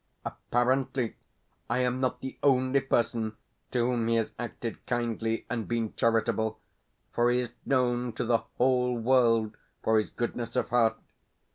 Apparently, I am not the only person to whom he has acted kindly and been charitable, for he is known to the whole world for his goodness of heart.